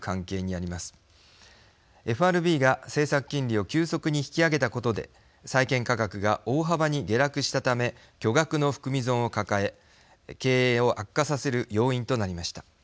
ＦＲＢが政策金利を急速に引き上げたことで債券価格が大幅に下落したため巨額の含み損を抱え経営を悪化させる要因となりました。